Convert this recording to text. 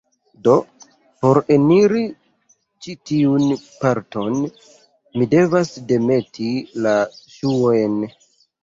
Do, por eniri ĉi tiun parton, mi devas demeti la ŝuojn